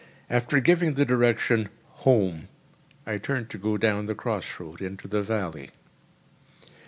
After giving the direction, "Home!" I turned to go down the cross road into the valley.